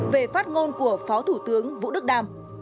về phát ngôn của phó thủ tướng vũ đức đam